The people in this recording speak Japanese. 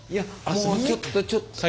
もうちょっとちょっと。